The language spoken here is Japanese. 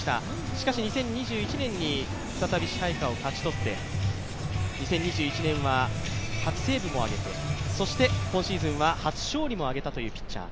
しかし、２０２１年に再び支配下を勝ち取って２０２１年は初セーブも挙げて、今シーズンは初勝利も挙げたというピッチャー。